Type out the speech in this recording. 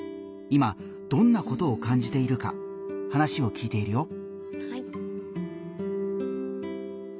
今どんなことを感じているか話を聞いているよ。